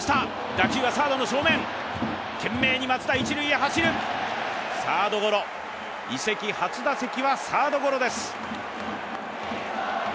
打球はサードの正面懸命に松田１塁へ走るサードゴロ移籍初打席はサードゴロです